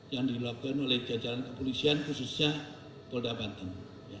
yang dilakukan oleh jajaran kepolisian khususnya polda banten